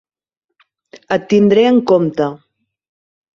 Et tindré en compte.